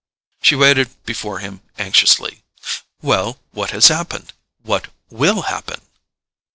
She waited before him anxiously. "Well? what has happened? What WILL happen?"